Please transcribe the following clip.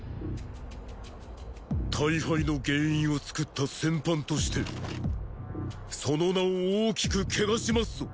大敗の原因を作った戦犯としてその名を大きく汚しますぞ。